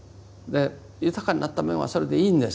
豊かになった面はそれでいいんです。